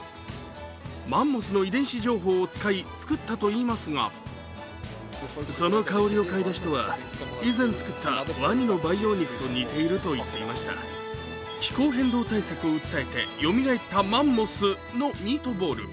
マンモスの遺伝子情報を使い作ったといいますが気候変動対策を訴えてよみがえったマンモスのミートボール。